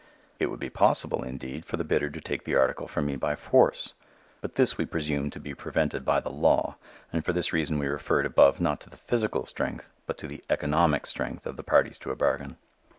It would be possible, indeed, for a bidder to take the article from me by force. But this we presume to be prevented by the law, and for this reason we referred above not to the physical strength, but to the "economic strength" of the parties to a bargain.